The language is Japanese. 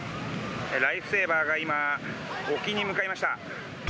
ライフセーバーが今、沖に向かいました。